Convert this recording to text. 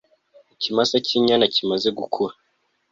Ikimasa cyinyana kimaze gukura